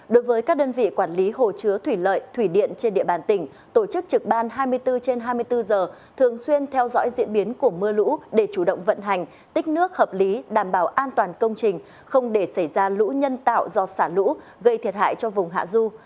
đối với các đơn vị quản lý hồ chứa thủy lợi thủy điện trên địa bàn tỉnh tổ chức trực ban hai mươi bốn trên hai mươi bốn giờ thường xuyên theo dõi diễn biến của mưa lũ để chủ động vận hành tích nước hợp lý đảm bảo an toàn công trình không để xảy ra lũ nhân tạo do xả lũ gây thiệt hại cho vùng hạ du